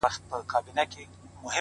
دا خو رښتيا خبره؛